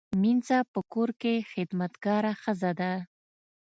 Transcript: مینځه په کور کې خدمتګاره ښځه ده